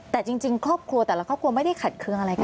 แต่จริงครอบครัวแต่ละครอบครัวไม่ได้ขัดเคืองอะไรกัน